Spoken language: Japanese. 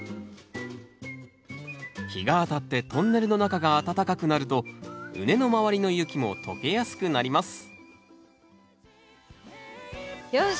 日が当たってトンネルの中が暖かくなると畝の周りの雪もとけやすくなりますよし！